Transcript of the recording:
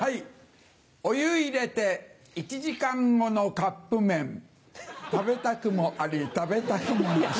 お湯入れて１時間後のカップ麺食べたくもあり食べたくもなし。